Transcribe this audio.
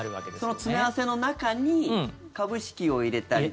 その詰め合わせの中に株式を入れたり。